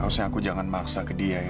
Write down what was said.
kita di tempat yang pancasila kan ivd lagi